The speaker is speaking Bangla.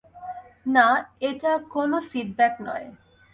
না, এটা কোনও ফিডব্যাক নয়।